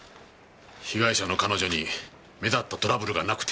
被害者の彼女に目立ったトラブルがなくて。